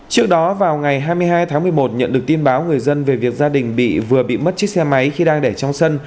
trước đó vào ngày hai mươi hai tháng một mươi một nhận được tin báo người dân về việc gia đình bị vừa bị mất chiếc xe máy khi đang để trong sân